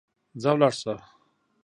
ځه ولاړ سه.